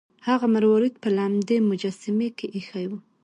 هغه مروارید په لمدې مجسمې کې ایښی و.